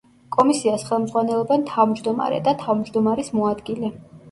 კომისიას ხელმძღვანელობენ თავმჯდომარე და თავმჯდომარის მოადგილე.